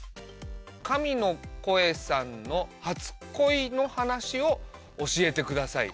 「神の声さんの初恋の話を教えてください！」。